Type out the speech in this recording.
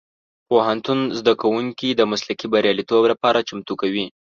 پوهنتون زدهکوونکي د مسلکي بریالیتوب لپاره چمتو کوي.